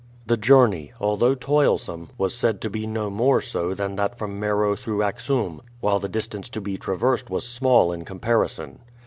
The journey, although toilsome, was said to be no more so than that from Meroe through Axoum, while the distance to be traversed was small in comparison.